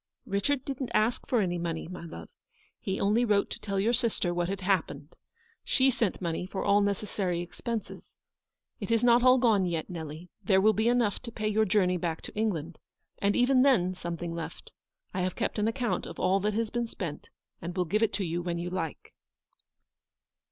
" Richard didn't ask for any money,, my love. He only wrote to tell your sister what had hap pened. She sent money for all necessary ex penses. It is not all gone yet, Nelly ; there will be enough to pay your journey back to England; and even then something left. I have kept an account of all that has been spent, and will give it to you when you like."